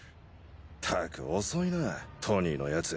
ったく遅いなトニーの奴。